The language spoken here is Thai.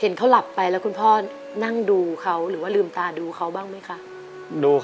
รายการต่อปีนี้เป็นรายการทั่วไปสามารถรับชมได้ทุกวัย